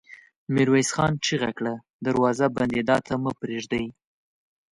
ميرويس خان چيغه کړه! دروازه بندېدا ته مه پرېږدئ!